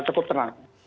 oh cukup tenang